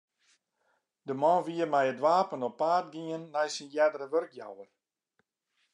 De man wie mei it wapen op paad gien nei syn eardere wurkjouwer.